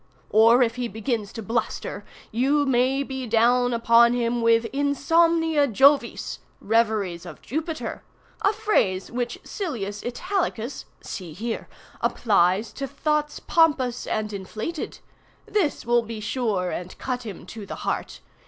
Or, if he begins to bluster, you may be down upon him with insomnia Jovis, reveries of Jupiter—a phrase which Silius Italicus (see here!) applies to thoughts pompous and inflated. This will be sure and cut him to the heart.